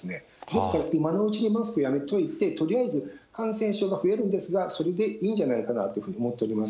ですから、今のうちにマスクやめといて、とりあえず感染症が増えるんですが、それでいいんじゃないかなというふうに思っておりま